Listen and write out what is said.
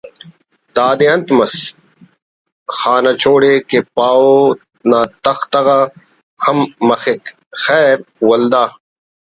دادے انت مس خانہ چوڑ ءِ کہ پاہو نا تختہ غا ہم مخک خیر…… ولدا